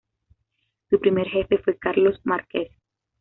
Su primer jefe fue Carlos Márquez.